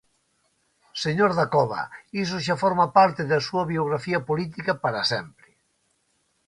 Señor Dacova, iso xa forma parte da súa biografía política para sempre.